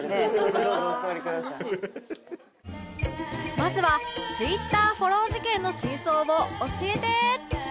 まずは Ｔｗｉｔｔｅｒ フォロー事件の真相を教えて